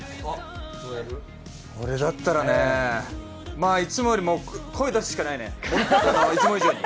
俺だったらね、まあいつもよりも声出すしかないね、いつも以上に。